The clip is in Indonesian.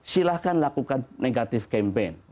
silahkan lakukan negatif campaign